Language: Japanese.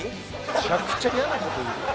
めちゃくちゃ嫌な事言う。